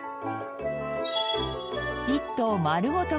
１棟丸ごと